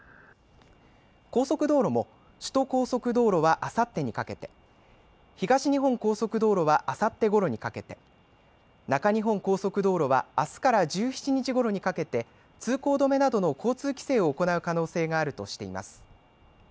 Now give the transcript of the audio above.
高速道路も首都高速道路はあさってにかけて、東日本高速道路はあさってごろにかけて、中日本高速道路はあすから１７日ごろにかけて通行止めなどの交通規制を行う可能性があるとしています。